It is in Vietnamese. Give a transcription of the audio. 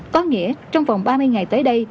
có nghĩa trong vòng ba mươi ngày tới đây